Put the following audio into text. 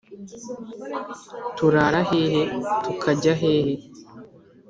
turara hehe tukajya hehe’